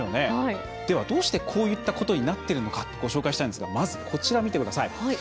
どうしてこういったことになっているのかご紹介したいんですがまず、こちら見てください。